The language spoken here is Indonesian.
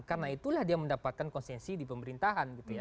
karena itulah dia mendapatkan konsensi di pemerintahan